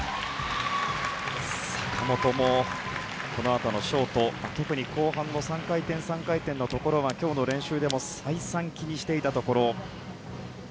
坂本もこのあとのショート特に後半の３回転、３回転のところは今日の練習でも再三練習で気にしていたところ。